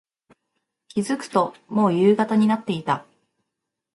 気付くと、もう夕方になっていた。